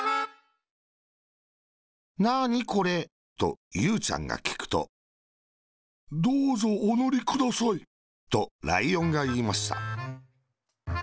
「なーに、これ？」とゆうちゃんがきくと、「どーぞ、おのりください。」とライオンがいいました。